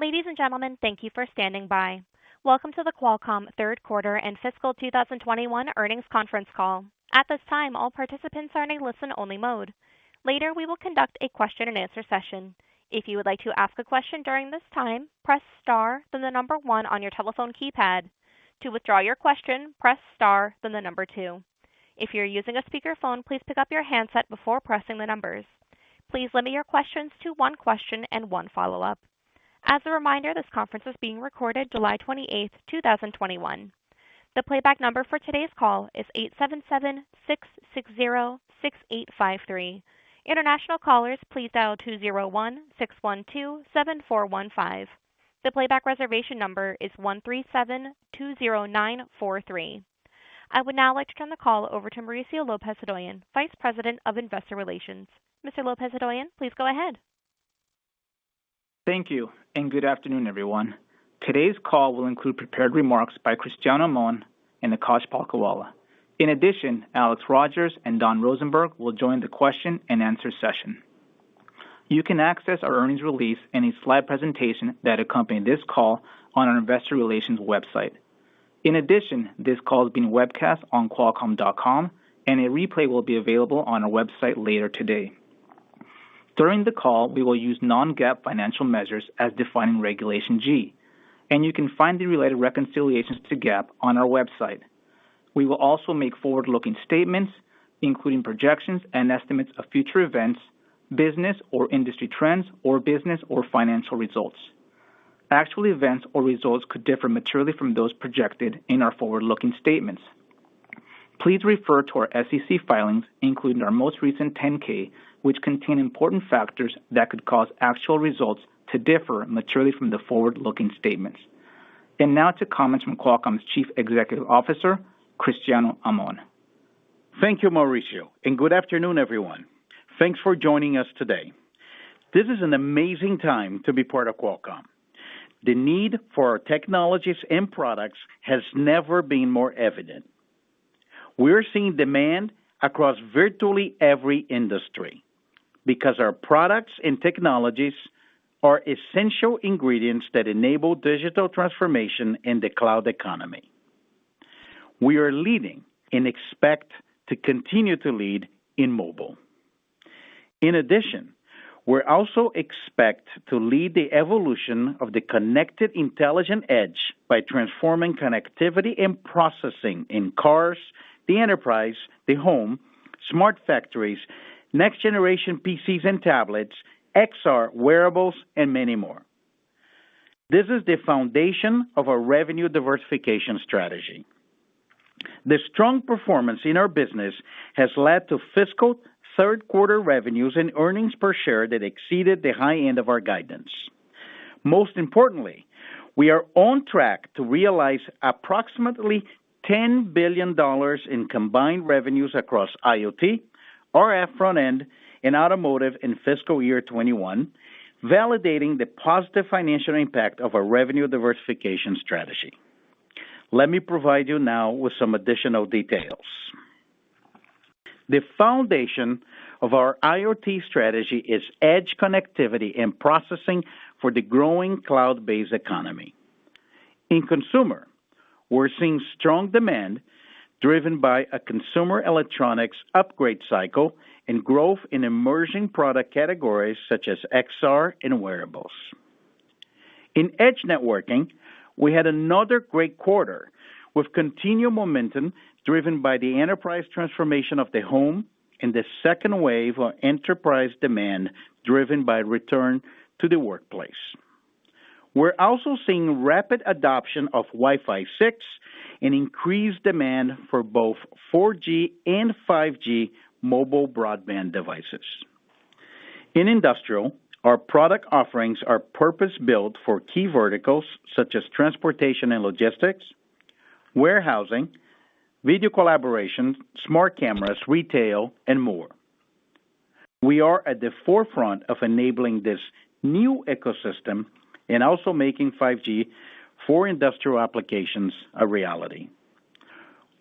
Ladies and gentlemen, thank you for standing by. Welcome to the Qualcomm Third Quarter and Fiscal 2021 Earnings Conference Call. I would now like to turn the call over to Mauricio Lopez-Hodoyan, Vice President of Investor Relations. Mr. Lopez-Hodoyan, please go ahead. Thank you. Good afternoon, everyone. Today's call will include prepared remarks by Cristiano Amon and Akash Palkhiwala. In addition, Alex Rogers and Don Rosenberg will join the question-and-answer session. You can access our earnings release and a slide presentation that accompany this call on our investor relations website. In addition, this call is being webcast on qualcomm.com, and a replay will be available on our website later today. During the call, we will use non-GAAP financial measures as defined in Regulation G, and you can find the related reconciliations to GAAP on our website. We will also make forward-looking statements, including projections and estimates of future events, business or industry trends, or business or financial results. Actual events or results could differ materially from those projected in our forward-looking statements. Please refer to our SEC filings, including our most recent 10-K, which contain important factors that could cause actual results to differ materially from the forward-looking statements. Now to comments from Qualcomm's Chief Executive Officer, Cristiano Amon. Thank you, Mauricio, and good afternoon, everyone. Thanks for joining us today. This is an amazing time to be part of Qualcomm. The need for our technologies and products has never been more evident. We're seeing demand across virtually every industry because our products and technologies are essential ingredients that enable digital transformation in the cloud economy. We are leading and expect to continue to lead in mobile. In addition, we also expect to lead the evolution of the connected intelligent edge by transforming connectivity and processing in cars, the enterprise, the home, smart factories, next-generation PCs and tablets, XR, wearables, and many more. This is the foundation of our revenue diversification strategy. The strong performance in our business has led to fiscal third-quarter revenues and earnings per share that exceeded the high end of our guidance. Most importantly, we are on track to realize approximately $10 billion in combined revenues across IoT, RF front end, and automotive in fiscal year 2021, validating the positive financial impact of our revenue diversification strategy. Let me provide you now with some additional details. The foundation of our IoT strategy is edge connectivity and processing for the growing cloud-based economy. In consumer, we're seeing strong demand driven by a consumer electronics upgrade cycle and growth in emerging product categories such as XR and wearables. In edge networking, we had another great quarter with continued momentum driven by the enterprise transformation of the home and the second wave of enterprise demand driven by return to the workplace. We're also seeing rapid adoption of Wi-Fi 6 and increased demand for both 4G and 5G mobile broadband devices. In industrial, our product offerings are purpose-built for key verticals such as transportation and logistics, warehousing, video collaboration, smart cameras, retail, and more. We are at the forefront of enabling this new ecosystem and also making 5G for industrial applications a reality.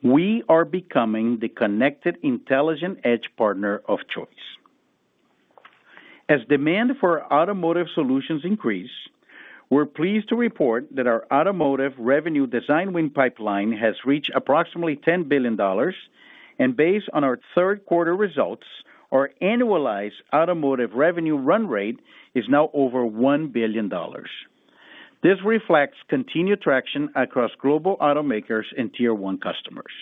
We are becoming the connected intelligent edge partner of choice. As demand for our automotive solutions increase, we're pleased to report that our automotive revenue design win pipeline has reached approximately $10 billion, and based on our third-quarter results, our annualized automotive revenue run rate is now over $1 billion. This reflects continued traction across global automakers and tier one customers.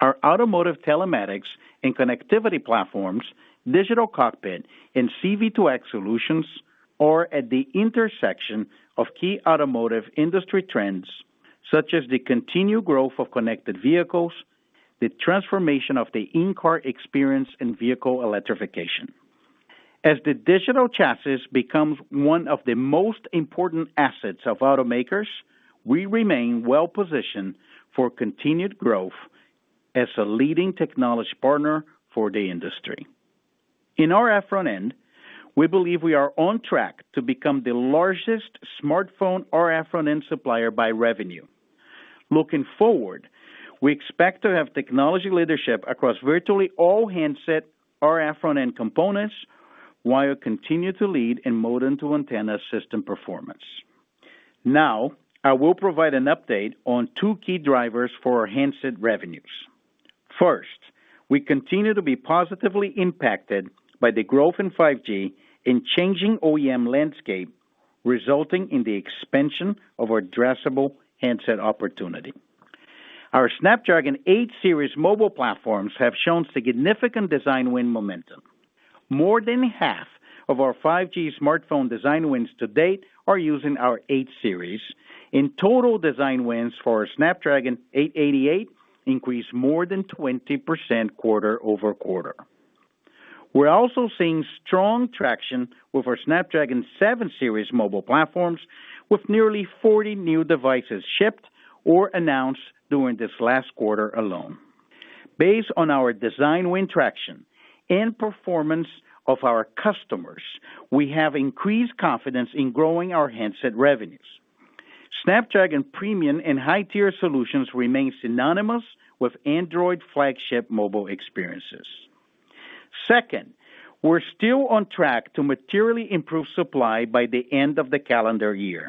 Our automotive telematics and connectivity platforms, digital cockpit, and C-V2X solutions are at the intersection of key automotive industry trends, such as the continued growth of connected vehicles, the transformation of the in-car experience, and vehicle electrification. As the Digital Chassis becomes one of the most important assets of automakers, we remain well-positioned for continued growth as a leading technology partner for the industry. In RF front end, we believe we are on track to become the largest smartphone RF front end supplier by revenue. Looking forward, we expect to have technology leadership across virtually all handset RF front end components, while continue to lead in modem to antenna system performance. Now, I will provide an update on two key drivers for our handset revenues. First, we continue to be positively impacted by the growth in 5G and changing OEM landscape, resulting in the expansion of our addressable handset opportunity. Our Snapdragon 8 series mobile platforms have shown significant design win momentum. More than half of our 5G smartphone design wins to date are using our 8 series. In total design wins for our Snapdragon 888 increased more than 20% quarter-over-quarter. We're also seeing strong traction with our Snapdragon 7 series mobile platforms with nearly 40 new devices shipped or announced during this last quarter alone. Based on our design win traction and performance of our customers, we have increased confidence in growing our handset revenues. Snapdragon premium and high-tier solutions remain synonymous with Android flagship mobile experiences. Second, we're still on track to materially improve supply by the end of the calendar year.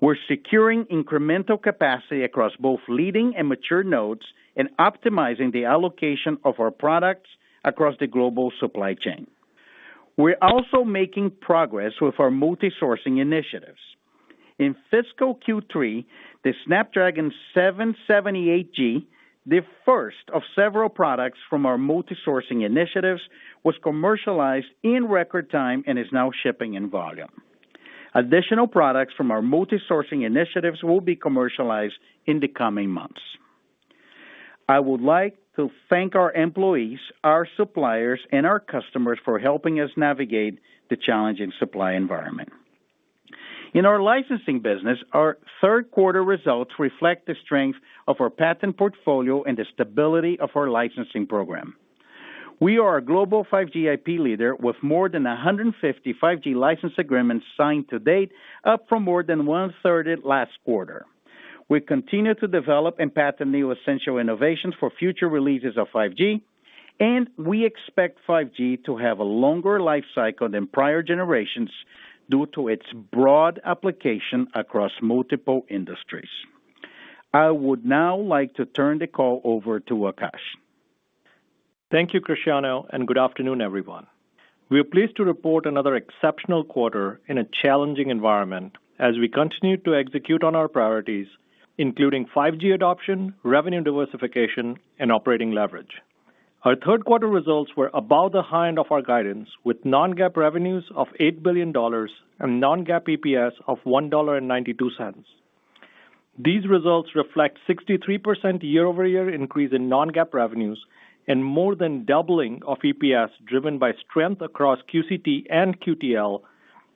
We're securing incremental capacity across both leading and mature nodes and optimizing the allocation of our products across the global supply chain. We're also making progress with our multi-sourcing initiatives. In fiscal Q3, the Snapdragon 778G, the first of several products from our multi-sourcing initiatives, was commercialized in record time and is now shipping in volume. Additional products from our multi-sourcing initiatives will be commercialized in the coming months. I would like to thank our employees, our suppliers, and our customers for helping us navigate the challenging supply environment. In our licensing business, our third quarter results reflect the strength of our patent portfolio and the stability of our licensing program. We are a global 5G IP leader with more than 150 5G license agreements signed to date, up from more than one-third last quarter. We continue to develop and patent new essential innovations for future releases of 5G. We expect 5G to have a longer life cycle than prior generations due to its broad application across multiple industries. I would now like to turn the call over to Akash. Thank you, Cristiano, and good afternoon, everyone. We are pleased to report another exceptional quarter in a challenging environment as we continue to execute on our priorities, including 5G adoption, revenue diversification, and operating leverage. Our third quarter results were above the high end of our guidance, with non-GAAP revenues of $8 billion and non-GAAP EPS of $1.92. These results reflect 63% year-over-year increase in non-GAAP revenues and more than doubling of EPS driven by strength across QCT and QTL,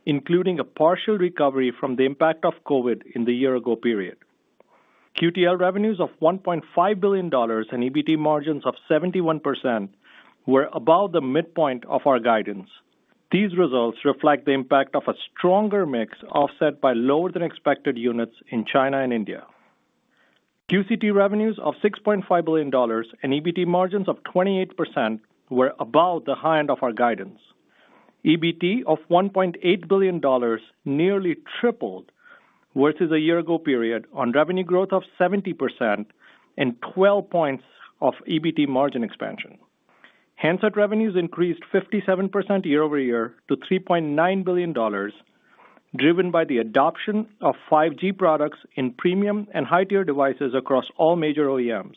including a partial recovery from the impact of COVID in the year ago period. QTL revenues of $1.5 billion and EBT margins of 71% were above the midpoint of our guidance. These results reflect the impact of a stronger mix offset by lower than expected units in China and India. QCT revenues of $6.5 billion and EBT margins of 28% were above the high end of our guidance. EBT of $1.8 billion nearly tripled versus a year-ago period on revenue growth of 70% and 12 points of EBT margin expansion. Handset revenues increased 57% year-over-year to $3.9 billion, driven by the adoption of 5G products in premium and high-tier devices across all major OEMs.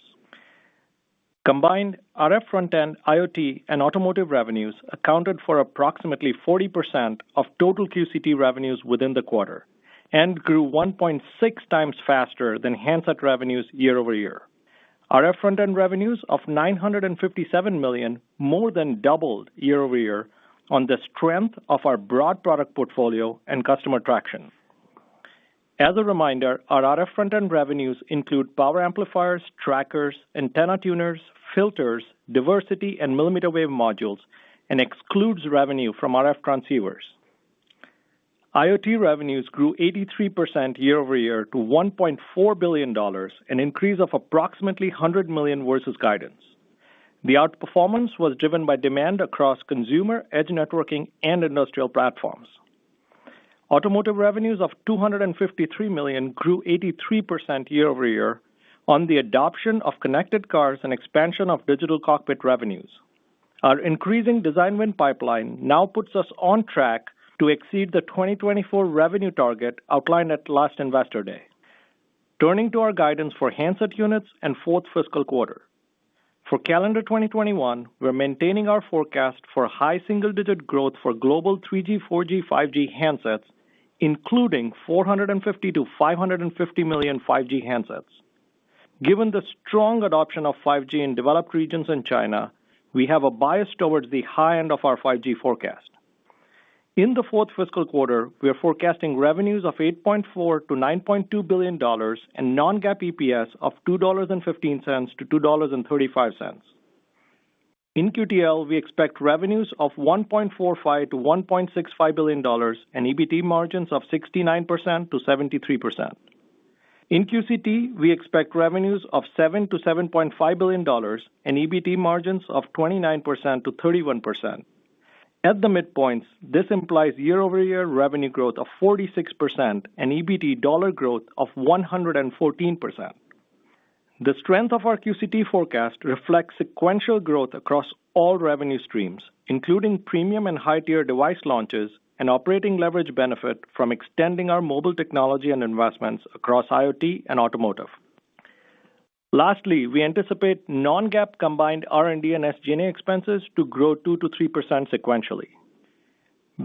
Combined RF front end, IoT, and automotive revenues accounted for approximately 40% of total QCT revenues within the quarter and grew 1.6 times faster than handset revenues year-over-year. RF front end revenues of $957 million more than doubled year-over-year on the strength of our broad product portfolio and customer traction. As a reminder, our RF front end revenues include power amplifiers, trackers, antenna tuners, filters, diversity, and millimeter wave modules, and excludes revenue from RF transceivers. IoT revenues grew 83% year-over-year to $1.4 billion, an increase of approximately $100 million versus guidance. The outperformance was driven by demand across consumer, edge networking, and industrial platforms. Automotive revenues of $253 million grew 83% year-over-year on the adoption of connected cars and expansion of digital cockpit revenues. Our increasing design win pipeline now puts us on track to exceed the 2024 revenue target outlined at last Investor Day. Turning to our guidance for handset units and fourth fiscal quarter. For calendar 2021, we're maintaining our forecast for high single-digit growth for global 3G, 4G, 5G handsets, including $450 million-$550 million 5G handsets. Given the strong adoption of 5G in developed regions in China, we have a bias towards the high end of our 5G forecast. In the fourth fiscal quarter, we are forecasting revenues of $8.4 billion-$9.2 billion and non-GAAP EPS of $2.15-$2.35. In QTL, we expect revenues of $1.45 billion-$1.65 billion and EBT margins of 69%-73%. In QCT, we expect revenues of $7 billion-$7.5 billion and EBT margins of 29%-31%. At the midpoints, this implies year-over-year revenue growth of 46% and EBT dollar growth of 114%. The strength of our QCT forecast reflects sequential growth across all revenue streams, including premium and high-tier device launches and operating leverage benefit from extending our mobile technology and investments across IoT and automotive. Lastly, we anticipate non-GAAP combined R&D and SG&A expenses to grow 2%-3% sequentially.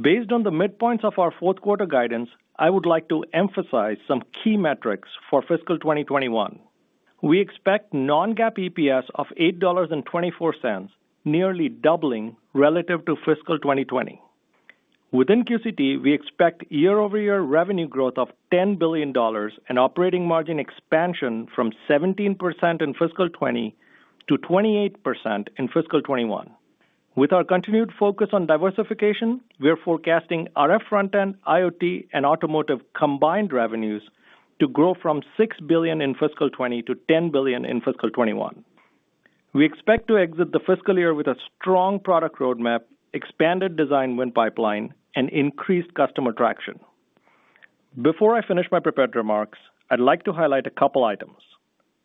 Based on the midpoints of our fourth quarter guidance, I would like to emphasize some key metrics for fiscal 2021. We expect non-GAAP EPS of $8.24, nearly doubling relative to fiscal 2020. Within QCT, we expect year-over-year revenue growth of $10 billion and operating margin expansion from 17% in fiscal 2020 to 28% in fiscal 2021. With our continued focus on diversification, we are forecasting RF front-end, IoT, and automotive combined revenues to grow from $6 billion in fiscal 2020 to $10 billion in fiscal 2021. We expect to exit the fiscal year with a strong product roadmap, expanded design win pipeline, and increased customer traction. Before I finish my prepared remarks, I'd like to highlight a couple items.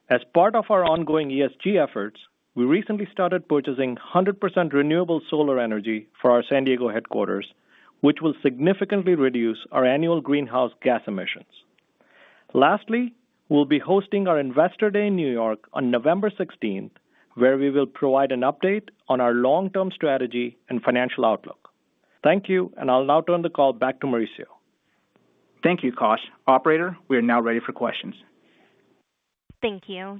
As part of our ongoing ESG efforts, we recently started purchasing 100% renewable solar energy for our San Diego headquarters, which will significantly reduce our annual greenhouse gas emissions. Lastly, we'll be hosting our Investor Day in New York on November 16th, where we will provide an update on our long-term strategy and financial outlook. Thank you, and I'll now turn the call back to Mauricio. Thank you, Akash. Operator, we are now ready for questions. Thank you. Our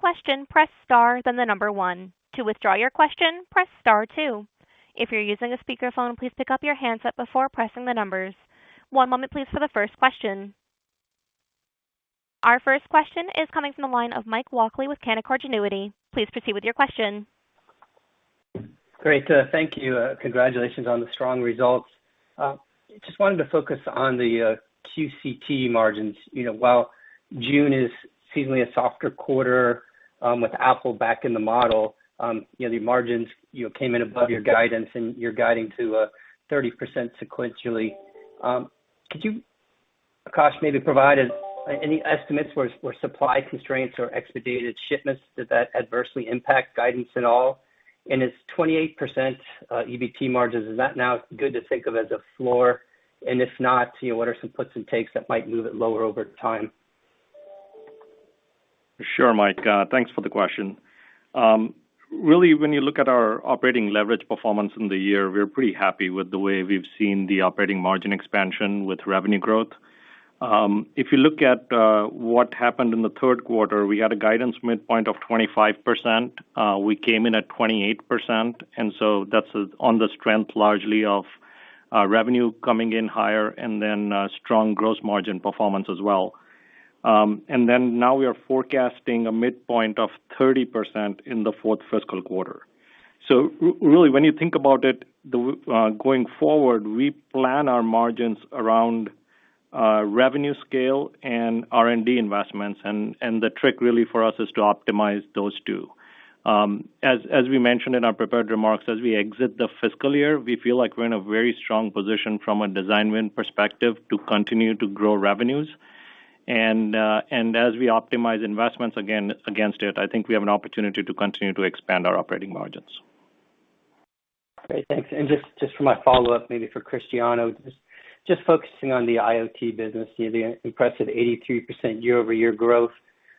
first question is coming from the line of Mike Walkley with Canaccord Genuity. Please proceed with your question. Great. Thank you. Congratulations on the strong results. Just wanted to focus on the QCT margins. While June is seemingly a softer quarter with Apple back in the model, the margins came in above your guidance and you're guiding to 30% sequentially. Could you, Akash, maybe provide any estimates for supply constraints or expedited shipments? Did that adversely impact guidance at all? Its 28% EBT margins, is that now good to think of as a floor? If not, what are some puts and takes that might move it lower over time? Sure, Mike. Thanks for the question. When you look at our operating leverage performance in the year, we are pretty happy with the way we've seen the operating margin expansion with revenue growth. If you look at what happened in the third quarter, we had a guidance midpoint of 25%. We came in at 28%, that's on the strength largely of revenue coming in higher and then strong gross margin performance as well. Now we are forecasting a midpoint of 30% in the fourth fiscal quarter. When you think about it, going forward, we plan our margins around revenue scale and R&D investments, and the trick really for us is to optimize those two. As we mentioned in our prepared remarks, as we exit the fiscal year, we feel like we're in a very strong position from a design win perspective to continue to grow revenues. As we optimize investments against it, I think we have an opportunity to continue to expand our operating margins. Great. Thanks. Just for my follow-up, maybe for Cristiano, just focusing on the IoT business, the impressive 83% year-over-year growth.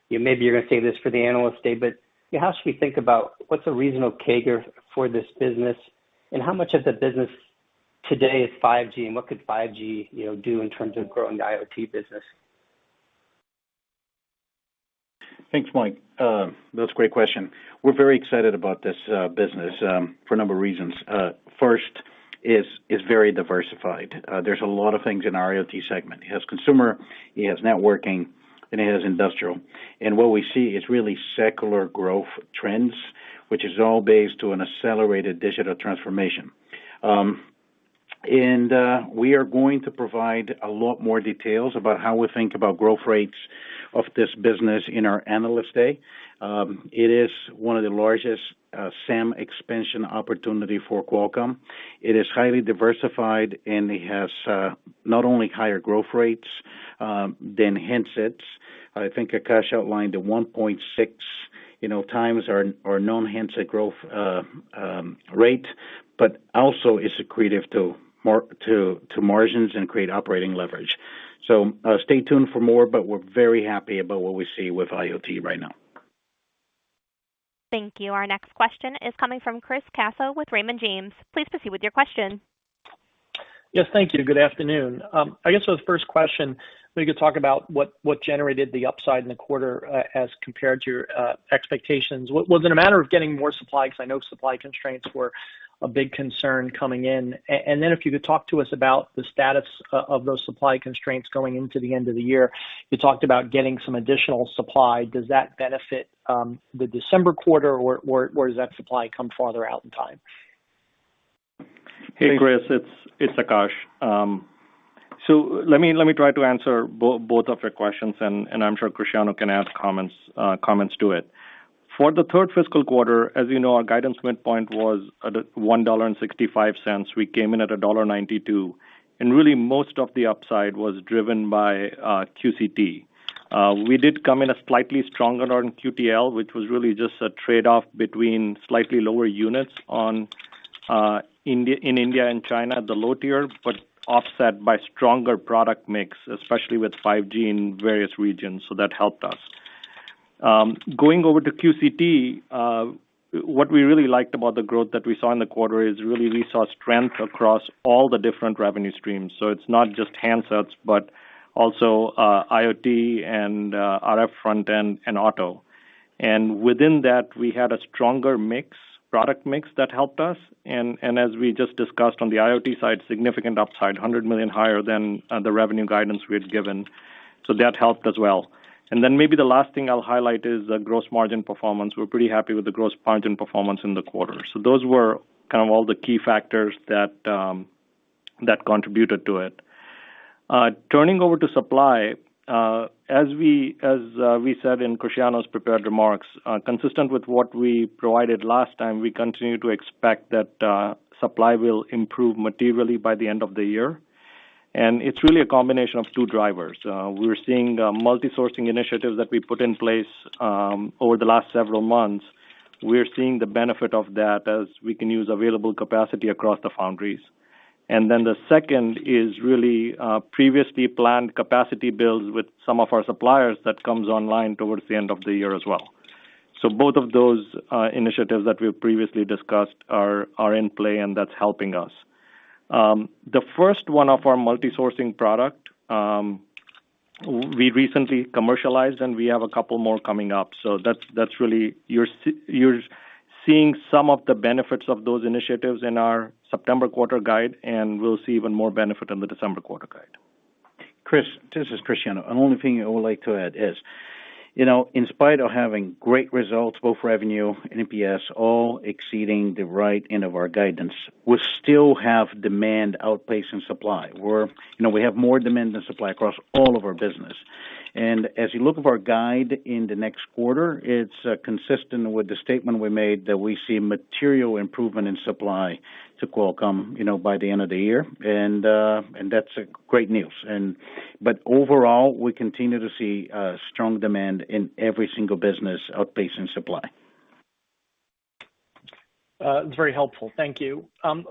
Maybe you're going to save this for the Analyst Day, but how should we think about what's a reasonable CAGR for this business, and how much of the business today is 5G, and what could 5G do in terms of growing the IoT business? Thanks, Mike. That's a great question. We're very excited about this business for a number of reasons. First, it's very diversified. There's a lot of things in our IoT segment. It has consumer, it has networking, it has industrial. What we see is really secular growth trends, which is all based to an accelerated digital transformation. We are going to provide a lot more details about how we think about growth rates of this business in our Analyst Day. It is one of the largest SAM expansion opportunity for Qualcomm. It is highly diversified, it has not only higher growth rates than handsets. I think Akash outlined the 1.6 times our non-handset growth rate, also is accretive to margins and create operating leverage. Stay tuned for more, we're very happy about what we see with IoT right now. Thank you. Our next question is coming from Chris Caso with Raymond James. Please proceed with your question. Yes. Thank you. Good afternoon. I guess as a first question, maybe you could talk about what generated the upside in the quarter, as compared to your expectations. Was it a matter of getting more supply? Because I know supply constraints were a big concern coming in. If you could talk to us about the status of those supply constraints going into the end of the year. You talked about getting some additional supply. Does that benefit the December quarter, or does that supply come farther out in time? Hey, Chris, it's Akash. Let me try to answer both of your questions, and I'm sure Cristiano can add comments to it. For the third fiscal quarter, as you know, our guidance midpoint was $1.65. We came in at $1.92, and really most of the upside was driven by QCT. We did come in a slightly stronger on QTL, which was really just a trade-off between slightly lower units in India and China at the low tier, but offset by stronger product mix, especially with 5G in various regions. That helped us. Going over to QCT, what we really liked about the growth that we saw in the quarter is really we saw strength across all the different revenue streams. It's not just handsets, but also IoT and RF front end and auto. Within that, we had a stronger product mix that helped us. As we just discussed on the IoT side, significant upside, $100 million higher than the revenue guidance we had given. That helped as well. Maybe the last thing I'll highlight is the gross margin performance. We're pretty happy with the gross margin performance in the quarter. Those were kind of all the key factors that contributed to it. Turning over to supply, as we said in Cristiano's prepared remarks, consistent with what we provided last time, we continue to expect that supply will improve materially by the end of the year. It's really a combination of two drivers. We're seeing multi-sourcing initiatives that we put in place over the last several months. We're seeing the benefit of that as we can use available capacity across the foundries. The second is really previously planned capacity builds with some of our suppliers that comes online towards the end of the year as well. Both of those initiatives that we've previously discussed are in play, and that's helping us. The first one of our multi-sourcing product, we recently commercialized, and we have a couple more coming up. You're seeing some of the benefits of those initiatives in our September quarter guide, and we'll see even more benefit on the December quarter guide. Chris, this is Cristiano. Only thing I would like to add is, in spite of having great results, both revenue and EPS all exceeding the right end of our guidance, we still have demand outpacing supply. We have more demand than supply across all of our business. As you look of our guide in the next quarter, it's consistent with the statement we made that we see material improvement in supply to Qualcomm by the end of the year. That's great news. Overall, we continue to see strong demand in every single business outpacing supply. Very helpful. Thank you.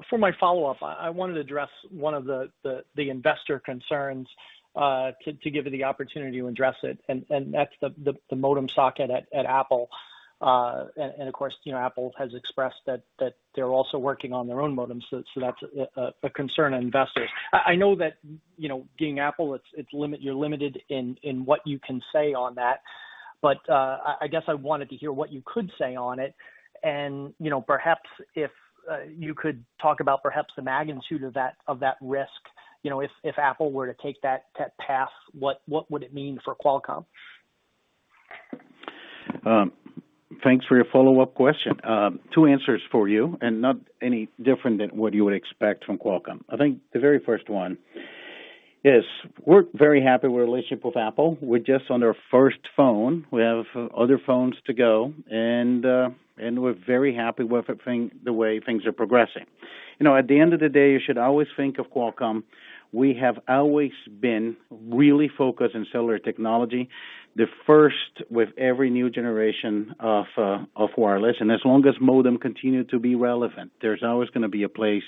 For my follow-up, I wanted to address one of the investor concerns, to give you the opportunity to address it, and that's the modem socket at Apple. Of course, Apple has expressed that they're also working on their own modem, so that's a concern on investors. I know that, being Apple, you're limited in what you can say on that. I guess I wanted to hear what you could say on it and perhaps if you could talk about perhaps the magnitude of that risk. If Apple were to take that path, what would it mean for Qualcomm? Thanks for your follow-up question. Two answers for you, not any different than what you would expect from Qualcomm. I think the very first one is we're very happy with our relationship with Apple. We're just on their first phone. We have other phones to go, and we're very happy with the way things are progressing. At the end of the day, you should always think of Qualcomm, we have always been really focused on cellular technology, the first with every new generation of wireless. As long as modem continue to be relevant, there's always going to be a place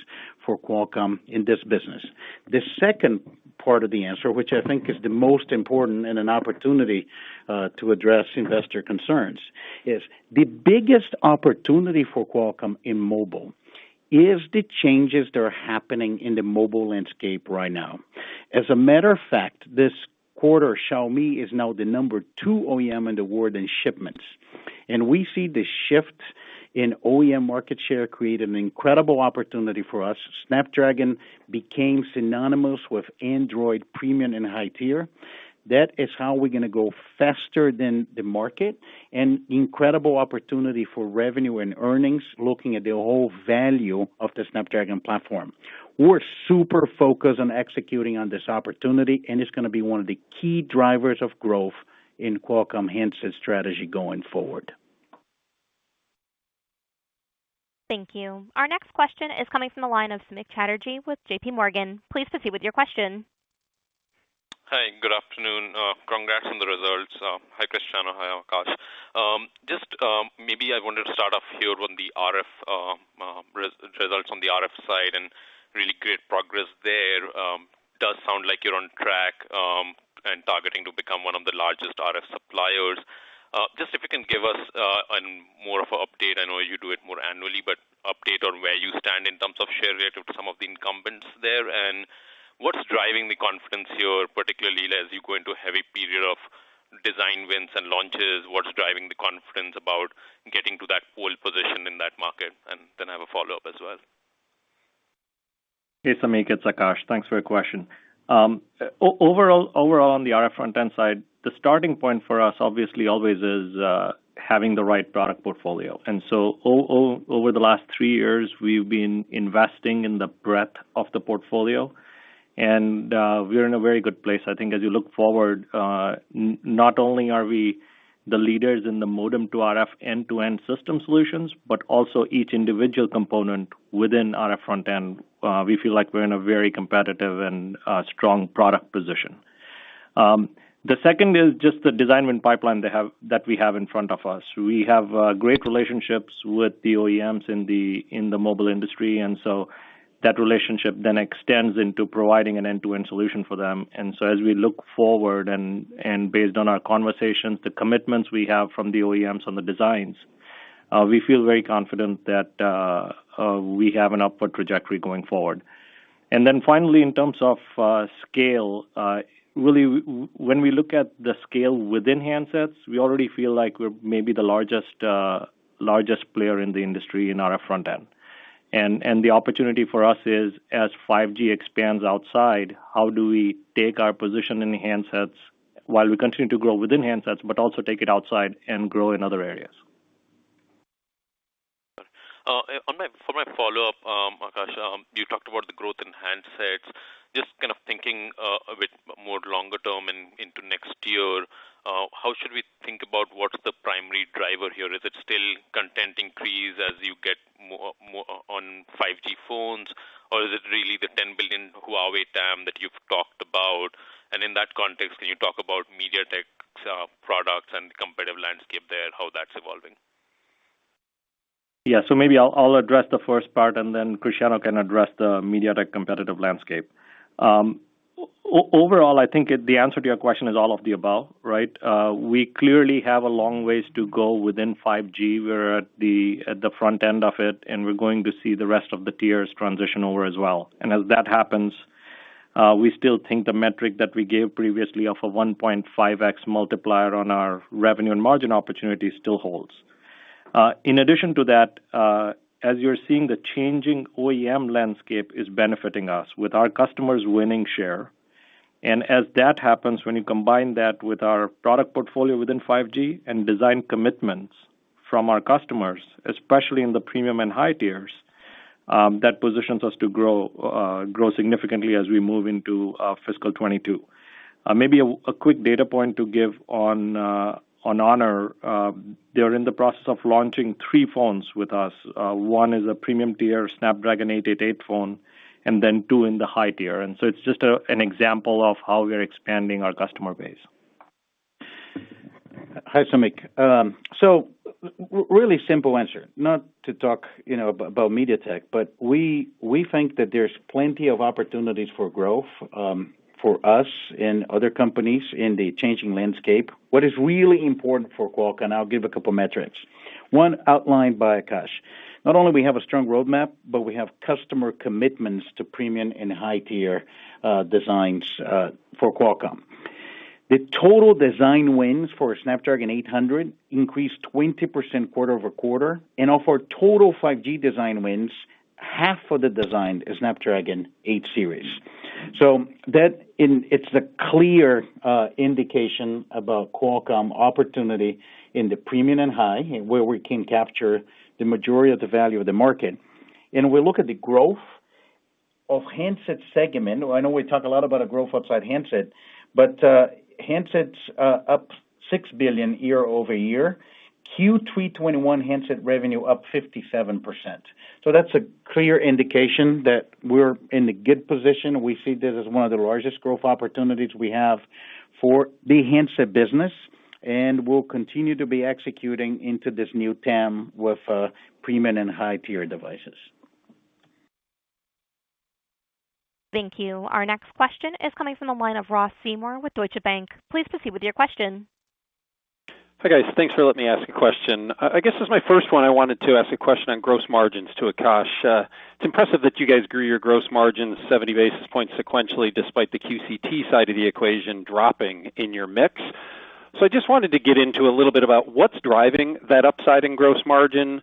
for Qualcomm in this business. The second part of the answer, which I think is the most important and an opportunity to address investor concerns, is the biggest opportunity for Qualcomm in mobile is the changes that are happening in the mobile landscape right now. As a matter of fact, this quarter, Xiaomi is now the number two OEM in the world in shipments, and we see the shift in OEM market share create an incredible opportunity for us. Snapdragon became synonymous with Android premium and high-tier. That is how we're going to go faster than the market and incredible opportunity for revenue and earnings looking at the whole value of the Snapdragon platform. We're super focused on executing on this opportunity, and it's going to be one of the key drivers of growth in Qualcomm handset strategy going forward. Thank you. Our next question is coming from the line of Samik Chatterjee with JPMorgan. Please proceed with your question. Hi, good afternoon. Congrats on the results. Hi, Cristiano. Hi, Akash. Maybe I wanted to start off here on the results on the RF side and really great progress there. Does sound like you're on track and targeting to become one of the largest RF suppliers. If you can give us more of an update. I know you do it more annually, update on where you stand in terms of share relative to some of the incumbents there. What's driving the confidence here, particularly as you go into a heavy period of design wins and launches, what's driving the confidence about getting to that pole position in that market? I have a follow-up as well. Hey, Samik, it's Akash. Thanks for your question. Overall, on the RF front end side, the starting point for us obviously always is having the right product portfolio. Over the last 3 years, we've been investing in the breadth of the portfolio, and we're in a very good place. I think as you look forward, not only are we the leaders in the modem to RF end-to-end system solutions, but also each individual component within RF front end, we feel like we're in a very competitive and strong product position. The second is just the design win pipeline that we have in front of us. We have great relationships with the OEMs in the mobile industry, that relationship then extends into providing an end-to-end solution for them. As we look forward and based on our conversations, the commitments we have from the OEMs on the designs, we feel very confident that we have an upward trajectory going forward. Finally, in terms of scale, really when we look at the scale within handsets, we already feel like we're maybe the largest player in the industry in RF front-end. The opportunity for us is as 5G expands outside, how do we take our position in the handsets while we continue to grow within handsets, but also take it outside and grow in other areas. For my follow-up, Akash, you talked about the growth in handsets. Just kind of thinking a bit more longer term and into next year, how should we think about what is the primary driver here? Is it still content increase as you get more on 5G phones, or is it really the $10 billion Huawei TAM that you've talked about? In that context, can you talk about MediaTek's products and competitive landscape there, and how that's evolving? Yeah. Maybe I'll address the first part and then Cristiano Amon can address the MediaTek competitive landscape. Overall, I think the answer to your question is all of the above, right? We clearly have a long way to go within 5G. We're at the front end of it, and we're going to see the rest of the tiers transition over as well. As that happens, we still think the metric that we gave previously of a 1.5x multiplier on our revenue and margin opportunity still holds. In addition to that, as you're seeing, the changing OEM landscape is benefiting us with our customers winning share. As that happens, when you combine that with our product portfolio within 5G and design commitments from our customers, especially in the premium and high tiers, that positions us to grow significantly as we move into fiscal 2022. Maybe a quick data point to give on Honor. They are in the process of launching three phones with us. One is a premium tier Snapdragon 888 phone, and then two in the high tier. It's just an example of how we're expanding our customer base. Hi, Samik. Really simple answer. Not to talk about MediaTek, but we think that there's plenty of opportunities for growth for us and other companies in the changing landscape. What is really important for Qualcomm, and I'll give a couple metrics. One outlined by Akash. Not only do we have a strong roadmap, but we have customer commitments to premium and high-tier designs for Qualcomm. The total design wins for Snapdragon 800 increased 20% quarter-over-quarter, and of our total 5G design wins, half of the design is Snapdragon 8 series. It's the clear indication about Qualcomm opportunity in the premium and high, where we can capture the majority of the value of the market. We look at the growth of handset segment. I know we talk a lot about a growth outside handset, but handsets are up $6 billion year-over-year, Q3 2021 handset revenue up 57%. That's a clear indication that we're in a good position. We see this as one of the largest growth opportunities we have for the handset business, and we'll continue to be executing into this new TAM with premium and high-tier devices. Thank you. Our next question is coming from the line of Ross Seymore with Deutsche Bank. Please proceed with your question. Hi, guys. Thanks for letting me ask a question. I guess as my first one, I wanted to ask a question on gross margins to Akash. It's impressive that you guys grew your gross margin 70 basis points sequentially, despite the QCT side of the equation dropping in your mix. I just wanted to get into a little bit about what's driving that upside in gross margin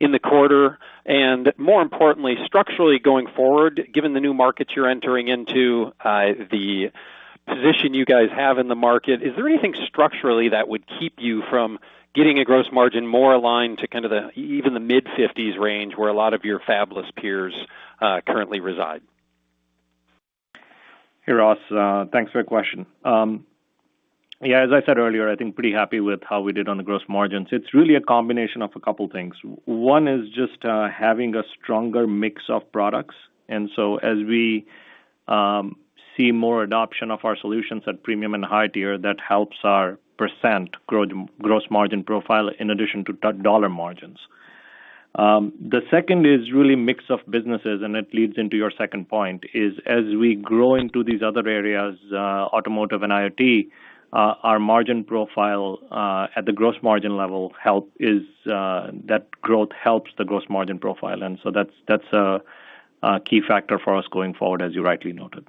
in the quarter, and more importantly, structurally going forward, given the new markets you're entering into, the position you guys have in the market, is there anything structurally that would keep you from getting a gross margin more aligned to kind of even the mid-50s range where a lot of your fabless peers currently reside? Hey, Ross. Thanks for the question. Yeah, as I said earlier, I think pretty happy with how we did on the gross margins. It's really a combination of a couple things. One is just having a stronger mix of products, and so as we see more adoption of our solutions at premium and high tier, that helps our % gross margin profile in addition to dollar margins. The second is really mix of businesses, and it leads into your second point, is as we grow into these other areas, automotive and IoT, our margin profile at the gross margin level, that growth helps the gross margin profile. That's a key factor for us going forward, as you rightly noted.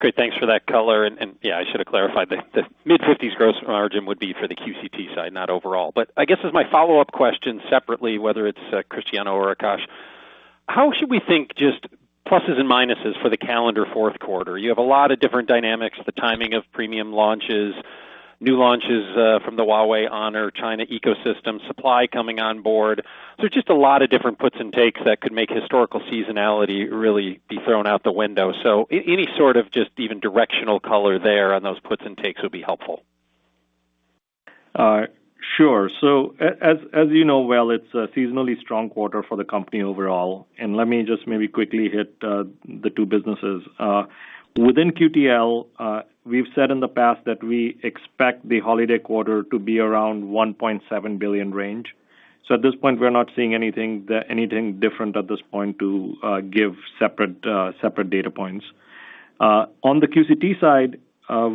Great. Thanks for that color, yeah, I should have clarified, the mid-50s gross margin would be for the QCT side, not overall. I guess as my follow-up question separately, whether it's Cristiano or Akash, how should we think, just pluses and minuses for the calendar fourth quarter? You have a lot of different dynamics, the timing of premium launches, new launches from the Huawei Honor China ecosystem, supply coming on board. Just a lot of different puts and takes that could make historical seasonality really be thrown out the window. Any sort of just even directional color there on those puts and takes would be helpful. Sure. As you know well, it's a seasonally strong quarter for the company overall. Let me just maybe quickly hit the two businesses. Within QTL, we've said in the past that we expect the holiday quarter to be around $1.7 billion range. At this point, we're not seeing anything different at this point to give separate data points. On the QCT side,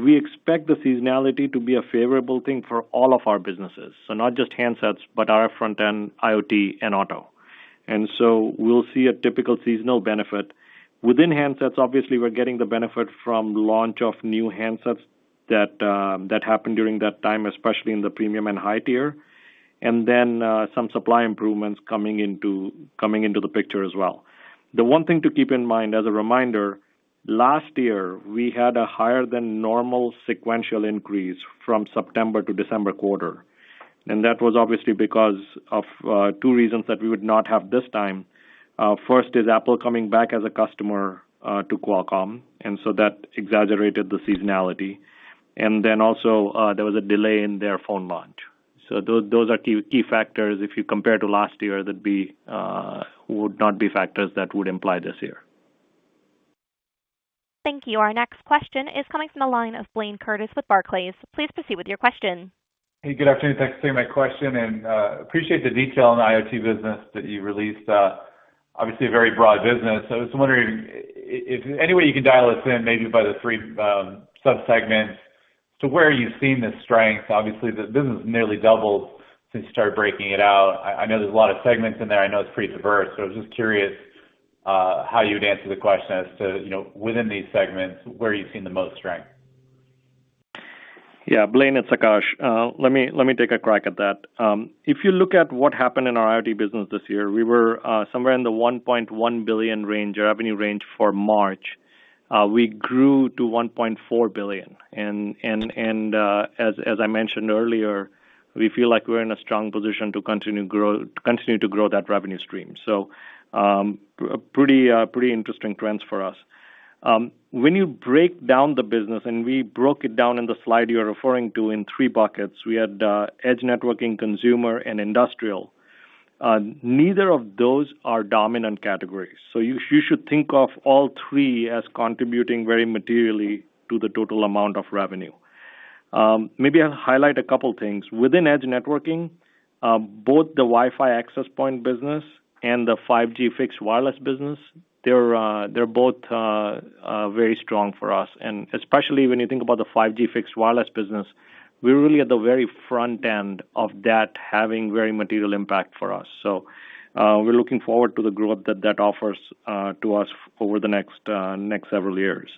we expect the seasonality to be a favorable thing for all of our businesses. Not just handsets, but our Front End, IoT, and auto. We'll see a typical seasonal benefit. Within handsets, obviously, we're getting the benefit from launch of new handsets that happened during that time, especially in the premium and high tier. Some supply improvements coming into the picture as well. The one thing to keep in mind, as a reminder, last year, we had a higher than normal sequential increase from September to December quarter. That was obviously because of two reasons that we would not have this time. First is Apple coming back as a customer to Qualcomm, that exaggerated the seasonality. Also, there was a delay in their phone launch. Those are key factors. If you compare to last year, would not be factors that would imply this year. Thank you. Our next question is coming from the line of Blayne Curtis with Barclays. Please proceed with your question. Hey, good afternoon. Thanks for taking my question. Appreciate the detail on the IoT business that you released. Obviously a very broad business. I was just wondering if there's any way you can dial us in, maybe by the three sub-segments to where are you seeing the strength. Obviously, the business nearly doubled since you started breaking it out. I know there's a lot of segments in there. I know it's pretty diverse. I was just curious, how you would answer the question as to, within these segments, where are you seeing the most strength? Yeah, Blayne, it's Akash. Let me take a crack at that. If you look at what happened in our IoT business this year, we were somewhere in the $1.1 billion range, revenue range for March. We grew to $1.4 billion. As I mentioned earlier, we feel like we're in a strong position to continue to grow that revenue stream. Pretty interesting trends for us. When you break down the business, and we broke it down in the slide you're referring to in three buckets. We had edge networking, consumer, and industrial. Neither of those are dominant categories. You should think of all three as contributing very materially to the total amount of revenue. Maybe I'll highlight a couple things. Within edge networking, both the Wi-Fi access point business and the 5G fixed wireless business, they're both very strong for us. Especially when you think about the 5G fixed wireless business, we're really at the very front end of that having very material impact for us. We're looking forward to the growth that that offers to us over the next several years.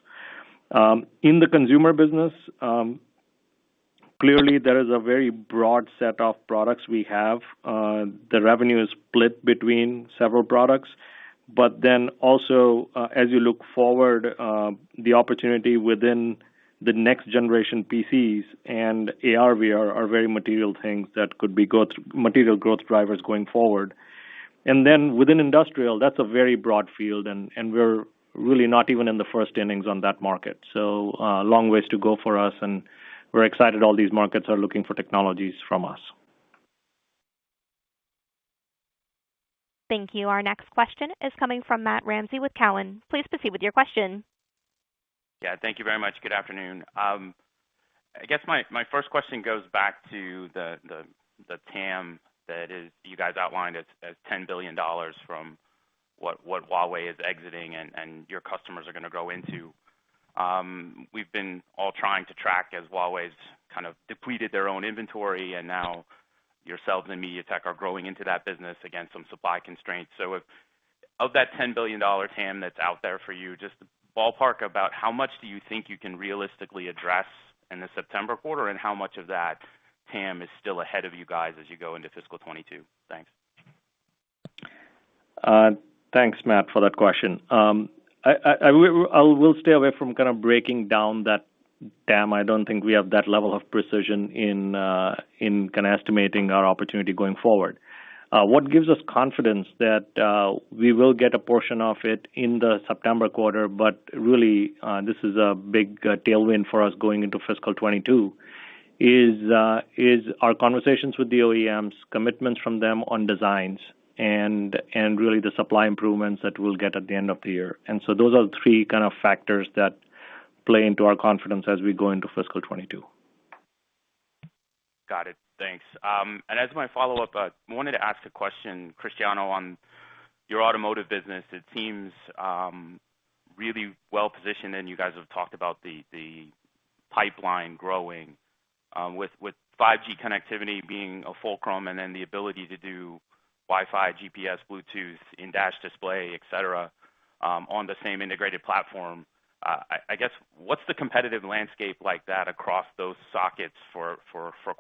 In the consumer business, clearly there is a very broad set of products we have. The revenue is split between several products. Also, as you look forward, the opportunity within the next generation PCs and AR/VR are very material things that could be material growth drivers going forward. Within industrial, that's a very broad field, and we're really not even in the first innings on that market. A long ways to go for us, and we're excited all these markets are looking for technologies from us. Thank you. Our next question is coming from Matthew Ramsay with Cowen. Please proceed with your question. Thank you very much. Good afternoon. I guess my first question goes back to the TAM that you guys outlined as $10 billion from what Huawei is exiting and your customers are going to go into. We've been all trying to track as Huawei's kind of depleted their own inventory, and now yourselves and MediaTek are growing into that business against some supply constraints. Of that $10 billion TAM that's out there for you, just to ballpark about how much do you think you can realistically address in the September quarter, and how much of that TAM is still ahead of you guys as you go into fiscal 2022? Thanks. Thanks, Matt, for that question. I will stay away from kind of breaking down that TAM. I don't think we have that level of precision in kind of estimating our opportunity going forward. What gives us confidence that we will get a portion of it in the September quarter, but really, this is a big tailwind for us going into fiscal 2022, is our conversations with the OEMs, commitments from them on designs, and really the supply improvements that we'll get at the end of the year. Those are the three kind of factors that play into our confidence as we go into fiscal 2022. Got it. Thanks. As my follow-up, I wanted to ask a question, Cristiano, on your automotive business. It seems really well-positioned, and you guys have talked about the pipeline growing with 5G connectivity being a fulcrum, and then the ability to do Wi-Fi, GPS, Bluetooth, in-dash display, et cetera, on the same integrated platform. I guess, what's the competitive landscape like that across those sockets for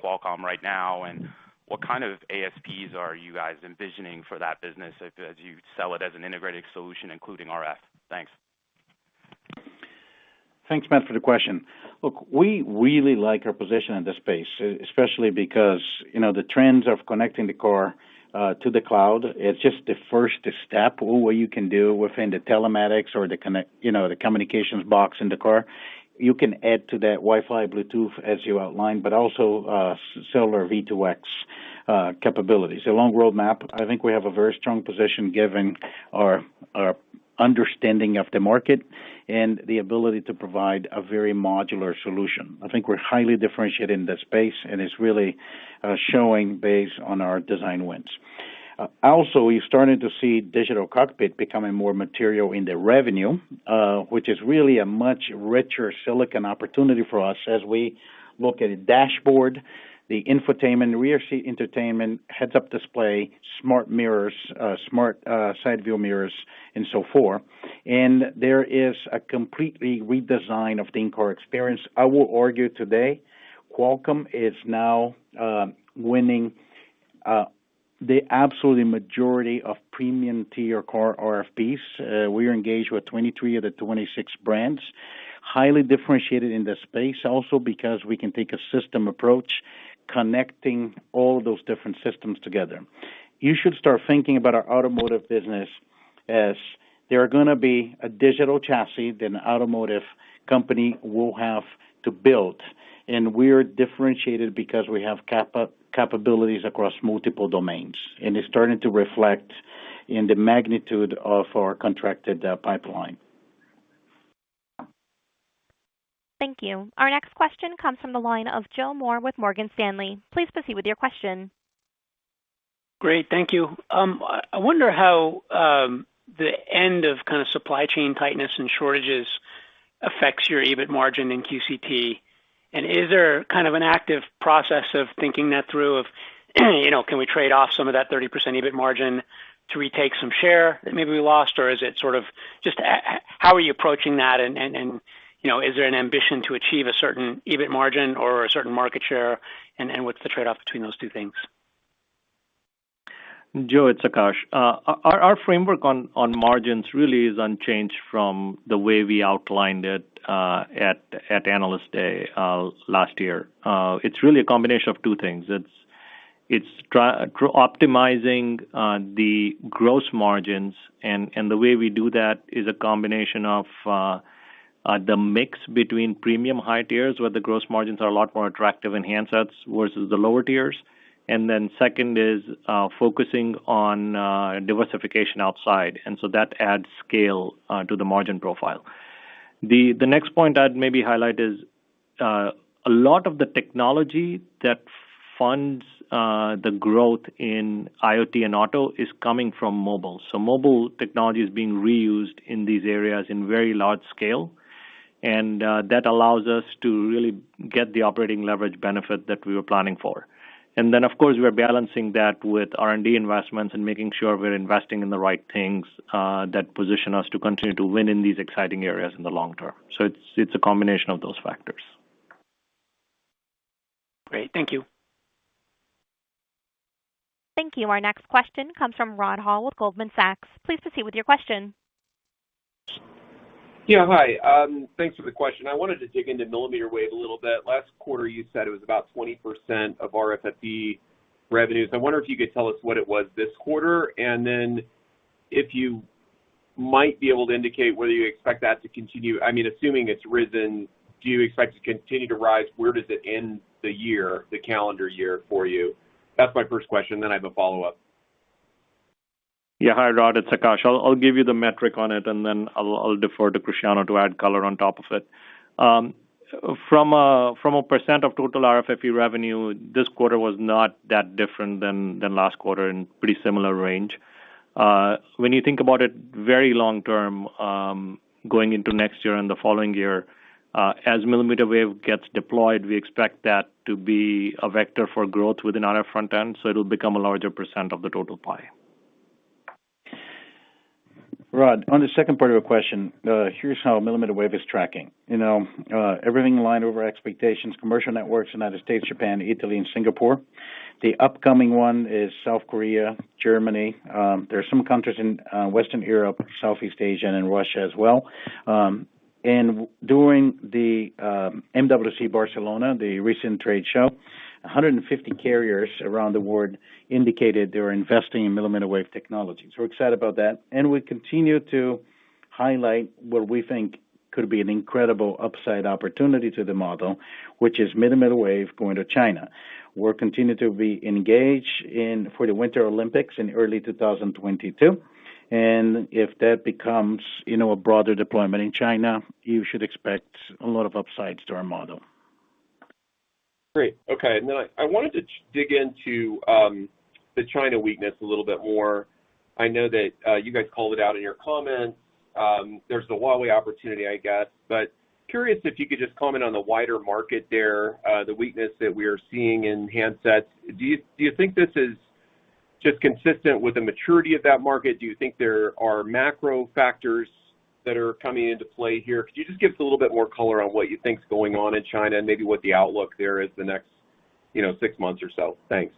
Qualcomm right now, and what kind of ASPs are you guys envisioning for that business as you sell it as an integrated solution, including RF? Thanks. Thanks, Matt, for the question. Look, we really like our position in this space, especially because the trends of connecting the core to the cloud, it's just the first step. What you can do within the telematics or the communications box in the car, you can add to that Wi-Fi, Bluetooth, as you outlined, but also cellular V2X capabilities. A long roadmap. I think we have a very strong position given our understanding of the market and the ability to provide a very modular solution. I think we're highly differentiated in that space, and it's really showing based on our design wins. Also, we're starting to see digital cockpit becoming more material in the revenue, which is really a much richer silicon opportunity for us as we look at a dashboard, the infotainment, rear seat entertainment, heads-up display, smart mirrors, smart side view mirrors, and so forth. There is a complete redesign of the in-car experience. I will argue today, Qualcomm is now winning the absolute majority of premium tier car RFPs. We are engaged with 23 of the 26 brands. Highly differentiated in this space also because we can take a system approach connecting all those different systems together. You should start thinking about our automotive business as there are going to be a Digital Chassis that an automotive company will have to build, and we're differentiated because we have capabilities across multiple domains. It's starting to reflect in the magnitude of our contracted pipeline. Thank you. Our next question comes from the line of Joseph Moore with Morgan Stanley. Please proceed with your question. Great. Thank you. I wonder how the end of supply chain tightness and shortages affects your EBIT margin in QCT, is there an active process of thinking that through, of can we trade off some of that 30% EBIT margin to retake some share that maybe we lost? Just, how are you approaching that, and is there an ambition to achieve a certain EBIT margin or a certain market share, and what's the trade-off between those two things? Joe, it's Akash. Our framework on margins really is unchanged from the way we outlined it at Analyst Day last year. It's really a combination of two things. It's optimizing the gross margins, and the way we do that is a combination of the mix between premium high tiers, where the gross margins are a lot more attractive in handsets versus the lower tiers. Second is focusing on diversification outside. That adds scale to the margin profile. The next point I'd maybe highlight is a lot of the technology that funds the growth in IoT and auto is coming from mobile. Mobile technology is being reused in these areas in very large scale, and that allows us to really get the operating leverage benefit that we were planning for. Of course, we are balancing that with R&D investments and making sure we're investing in the right things that position us to continue to win in these exciting areas in the long term. It's a combination of those factors. Great. Thank you. Thank you. Our next question comes from Rod Hall with Goldman Sachs. Please proceed with your question. Yeah. Hi. Thanks for the question. I wanted to dig into millimeter wave a little bit. Last quarter, you said it was about 20% of RFFE revenues. I wonder if you could tell us what it was this quarter, and then if you might be able to indicate whether you expect that to continue. Assuming it's risen, do you expect it to continue to rise? Where does it end the year, the calendar year, for you? That's my first question, then I have a follow-up. Hi, Rod Hall, it's Akash. I'll give you the metric on it and then I'll defer to Cristiano Amon to add color on top of it. From a % of total RFFE revenue, this quarter was not that different than last quarter and pretty similar range. When you think about it very long-term, going into next year and the following year, as millimeter wave gets deployed, we expect that to be a vector for growth within RF front end, so it'll become a larger % of the total pie. Rod, on the second part of your question, here's how millimeter wave is tracking. Everything aligned over expectations, commercial networks, United States, Japan, Italy, and Singapore. The upcoming one is South Korea, Germany. There's some countries in Western Europe, Southeast Asia, and Russia as well. During the MWC Barcelona, the recent trade show, 150 carriers around the world indicated they were investing in millimeter wave technology. We're excited about that, and we continue to highlight what we think could be an incredible upside opportunity to the model, which is millimeter wave going to China. We'll continue to be engaged for the Winter Olympics in early 2022, and if that becomes a broader deployment in China, you should expect a lot of upsides to our model. Great. Okay. I wanted to dig into the China weakness a little bit more. I know that you guys called it out in your comments. There's the Huawei opportunity, I guess, but curious if you could just comment on the wider market there, the weakness that we are seeing in handsets. Do you think this is just consistent with the maturity of that market? Do you think there are macro factors that are coming into play here? Could you just give us a little bit more color on what you think is going on in China and maybe what the outlook there is the next six months or so? Thanks.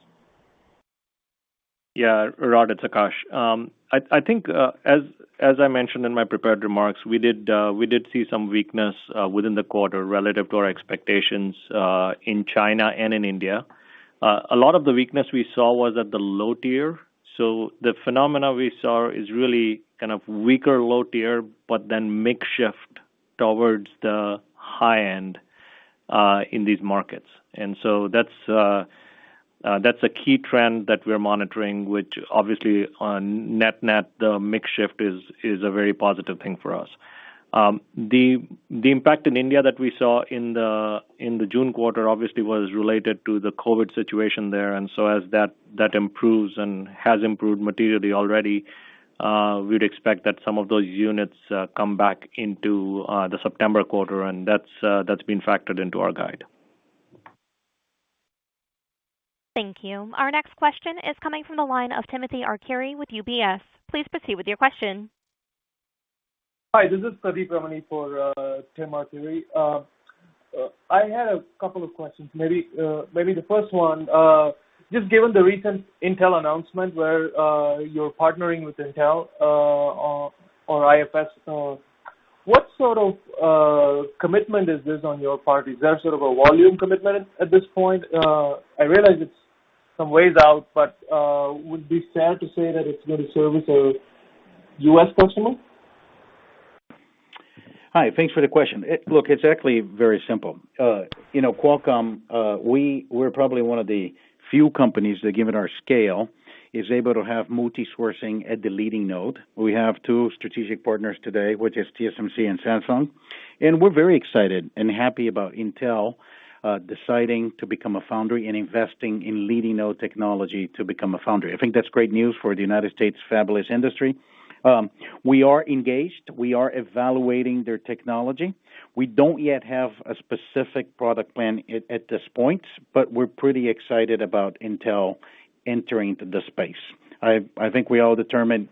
Rod, it's Akash. I think, as I mentioned in my prepared remarks, we did see some weakness within the quarter relative to our expectations in China and in India. A lot of the weakness we saw was at the low tier. The phenomena we saw is really kind of weaker low tier, but then mix shift towards the high-end in these markets. That's a key trend that we're monitoring, which obviously on net net, the mix shift is a very positive thing for us. The impact in India that we saw in the June quarter obviously was related to the COVID situation there. As that improves and has improved materially already, we'd expect that some of those units come back into the September quarter, and that's been factored into our guide. Thank you. Our next question is coming from the line of Timothy Arcuri with UBS. Please proceed with your question. Hi, this is Pradeep Ramani for Tim Arcuri. I had a couple of questions. Maybe the first one, just given the recent Intel announcement where you're partnering with Intel, on IFS. What sort of commitment is this on your part? Is there sort of a volume commitment at this point? I realize it's some ways out, but would be fair to say that it's going to service a U.S. customer? Hi, thanks for the question. Look, it's actually very simple. Qualcomm, we're probably one of the few companies that, given our scale, is able to have multi-sourcing at the leading node. We have two strategic partners today, which is TSMC and Samsung, and we're very excited and happy about Intel deciding to become a foundry and investing in leading-node technology to become a foundry. I think that's great news for the U.S. fabless industry. We are engaged. We are evaluating their technology. We don't yet have a specific product plan at this point, but we're pretty excited about Intel entering the space. I think we all determined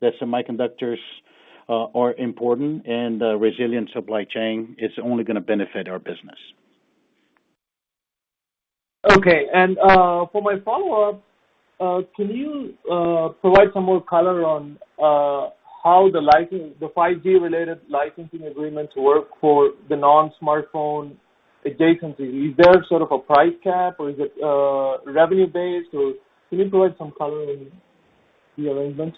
that semiconductors are important, and a resilient supply chain is only going to benefit our business. Okay. For my follow-up, can you provide some more color on how the 5G-related licensing agreements work for the non-smartphone adjacencies? Is there sort of a price cap, or is it revenue-based? Can you provide some color in the arrangements?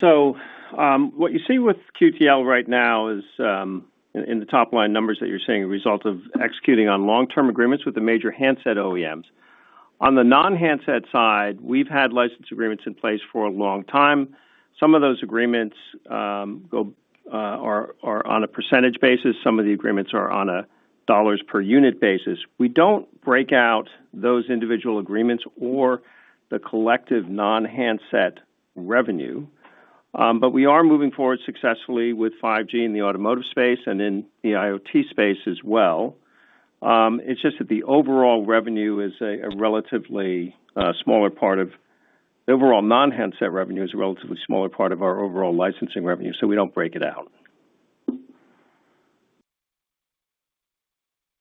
What you see with QTL right now is, in the top-line numbers that you're seeing, a result of executing on long-term agreements with the major handset OEMs. On the non-handset side, we've had license agreements in place for a long time. Some of those agreements are on a percentage basis. Some of the agreements are on a dollars per unit basis. We don't break out those individual agreements or the collective non-handset revenue. We are moving forward successfully with 5G in the automotive space and in the IoT space as well. It's just that the overall revenue is a relatively smaller part of overall non-handset revenue, is a relatively smaller part of our overall licensing revenue, so we don't break it out.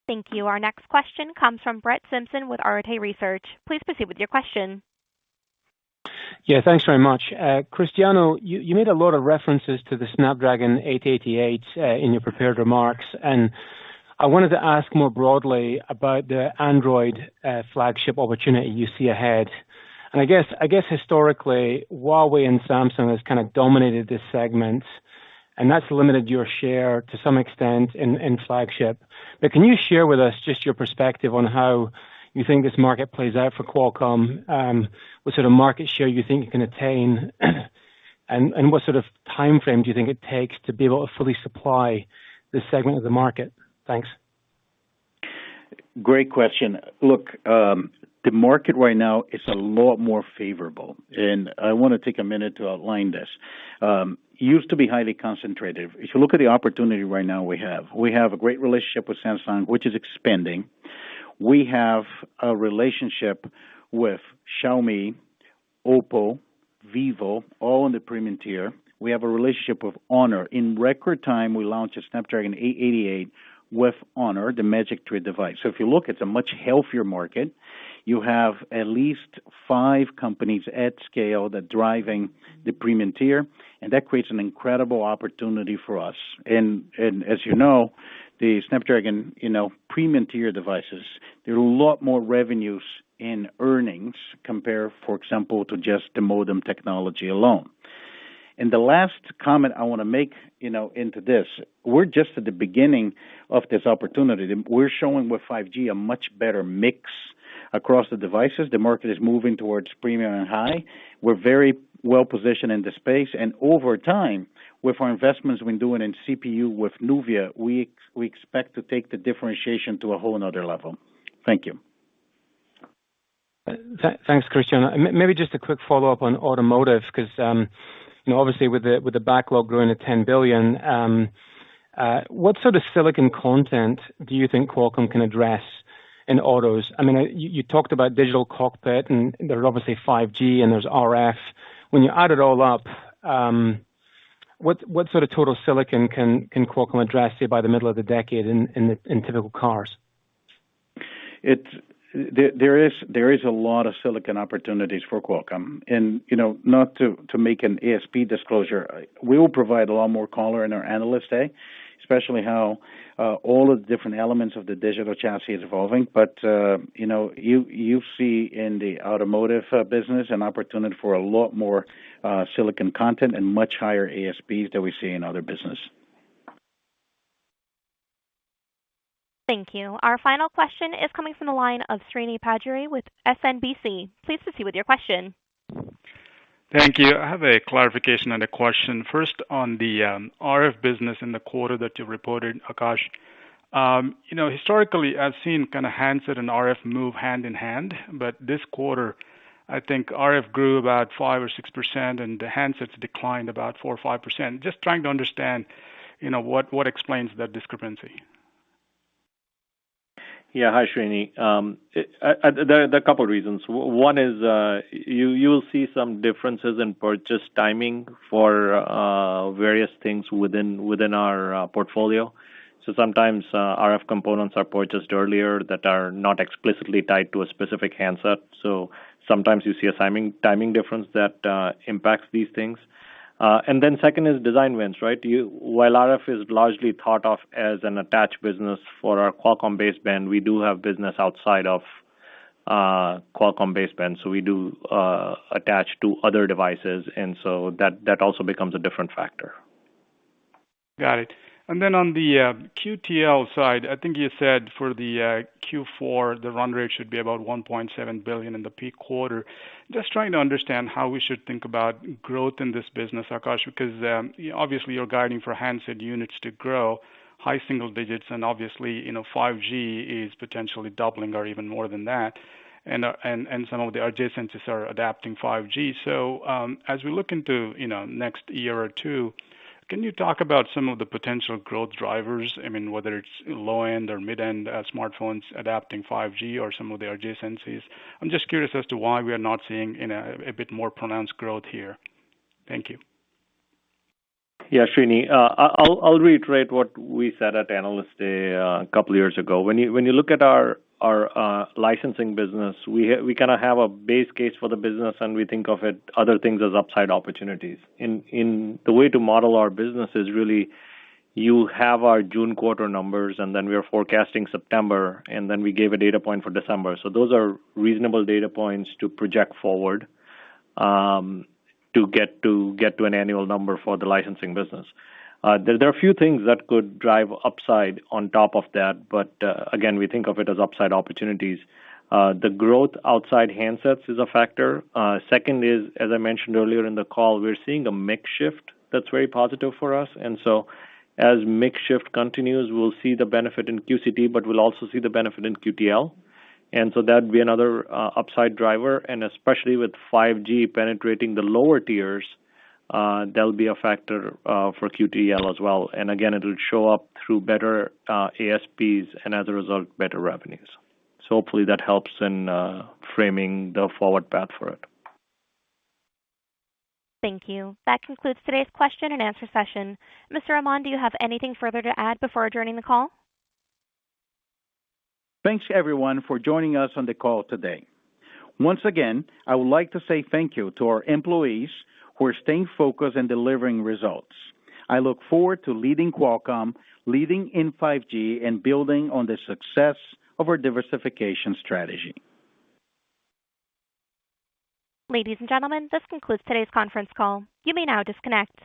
Thank you. Our next question comes from Brett Simpson with Arete Research. Please proceed with your question. Yeah, thanks very much. Cristiano, you made a lot of references to the Snapdragon 888 in your prepared remarks, and I wanted to ask more broadly about the Android flagship opportunity you see ahead. I guess historically, Huawei and Samsung has kind of dominated this segment, and that's limited your share to some extent in flagship. Can you share with us just your perspective on how you think this market plays out for Qualcomm? What sort of market share you think you can attain, and what sort of timeframe do you think it takes to be able to fully supply this segment of the market? Thanks. Great question. Look, the market right now is a lot more favorable, and I want to take a minute to outline this. It used to be highly concentrated. If you look at the opportunity right now we have, we have a great relationship with Samsung, which is expanding. We have a relationship with Xiaomi, OPPO, Vivo, all in the premium tier. We have a relationship with Honor. In record time, we launched a Snapdragon 888 with Honor, the Magic 3 device. If you look, it's a much healthier market. You have at least five companies at scale that driving the premium tier, and that creates an incredible opportunity for us. As you know, the Snapdragon premium tier devices, there are a lot more revenues in earnings compared, for example, to just the modem technology alone. The last comment I want to make into this, we're just at the beginning of this opportunity. We're showing with 5G a much better mix. Across the devices, the market is moving towards premium and high. We're very well-positioned in the space, and over time, with our investments we're doing in CPU with Nuvia, we expect to take the differentiation to a whole another level. Thank you. Thanks, Cristiano. Maybe just a quick follow-up on automotive because, obviously with the backlog growing to $10 billion, what sort of silicon content do you think Qualcomm can address in autos? You talked about digital cockpit and there's obviously 5G and there's RF. When you add it all up, what sort of total silicon can Qualcomm address say by the middle of the decade in typical cars? There is a lot of silicon opportunities for Qualcomm. Not to make an ASP disclosure, we will provide a lot more color in our Analyst Day, especially how all the different elements of the digital chassis is evolving. You see in the automotive business an opportunity for a lot more silicon content and much higher ASPs than we see in other business. Thank you. Our final question is coming from the line of Srini Pajjuri with SMBC. Please proceed with your question. Thank you. I have a clarification and a question. First on the RF business in the quarter that you reported, Akash. Historically, I've seen handset and RF move hand in hand, but this quarter, I think RF grew about 5% or 6%, and the handsets declined about 4% or 5%. Just trying to understand what explains that discrepancy? Yeah. Hi, Srini. There are a couple of reasons. One is, you will see some differences in purchase timing for various things within our portfolio. Sometimes, RF components are purchased earlier that are not explicitly tied to a specific handset. Sometimes you see a timing difference that impacts these things. Second is design wins. While RF is largely thought of as an attached business for our Qualcomm baseband, we do have business outside of Qualcomm baseband, so we do attach to other devices, and so that also becomes a different factor. Got it. On the QTL side, I think you said for the Q4, the run rate should be about $1.7 billion in the peak quarter. Just trying to understand how we should think about growth in this business, Akash, because obviously you're guiding for handset units to grow high single digits and obviously, 5G is potentially doubling or even more than that. And some of the adjacencies are adapting 5G. As we look into next one or two years, can you talk about some of the potential growth drivers, I mean, whether it's low-end or mid-end smartphones adapting 5G or some of the adjacencies? I'm just curious as to why we are not seeing a bit more pronounced growth here. Thank you. Yeah, Srini. I'll reiterate what we said at Analyst Day a couple of years ago. When you look at our licensing business, we kind of have a base case for the business, and we think of it other things as upside opportunities. The way to model our business is really you have our June quarter numbers, and then we are forecasting September, and then we gave a data point for December. Those are reasonable data points to project forward, to get to an annual number for the licensing business. There are a few things that could drive upside on top of that, but again, we think of it as upside opportunities. The growth outside handsets is a factor. Second is, as I mentioned earlier in the call, we're seeing a mix shift that's very positive for us. As mix shift continues, we'll see the benefit in QCT, but we'll also see the benefit in QTL. That'd be another upside driver, and especially with 5G penetrating the lower tiers, that'll be a factor for QTL as well. Again, it will show up through better ASPs and as a result, better revenues. Hopefully that helps in framing the forward path for it. Thank you. That concludes today's question and answer session. Mr. Amon, do you have anything further to add before adjourning the call? Thanks everyone for joining us on the call today. Once again, I would like to say thank you to our employees who are staying focused and delivering results. I look forward to leading Qualcomm, leading in 5G, and building on the success of our diversification strategy. Ladies and gentlemen, this concludes today's conference call. You may now disconnect.